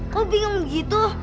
kamu bingung begitu